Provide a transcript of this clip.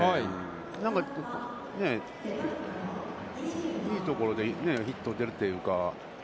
なんかね、いいところでヒットが出るというか。